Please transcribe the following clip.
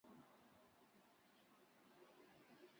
她觉得芭蕾是丑陋且无意义的竞技运动。